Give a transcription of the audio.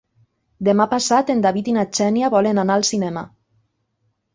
Demà passat en David i na Xènia volen anar al cinema.